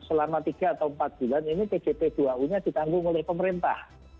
selama tiga atau empat bulan ini tjt dua u nya ditanggung oleh pemerintah